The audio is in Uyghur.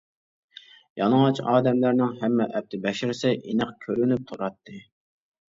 يالىڭاچ ئادەملەرنىڭ ھەممە ئەپتى-بەشىرىسى ئېنىق كۆرۈنۈپ تۇراتتى.